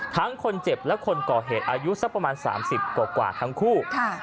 ทั้งคนเจ็บและคนก่อเหตุอายุสักประมาณ๓๐กว่าทั้งคู่